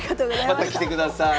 また来てください。